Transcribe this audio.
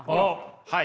はい。